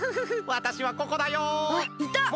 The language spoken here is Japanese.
わたしはここだよ。